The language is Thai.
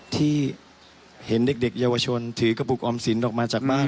ที่เห็นเด็กเยาวชนถือกระปุกออมสินออกมาจากบ้าน